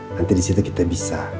nanti disitu kita bisa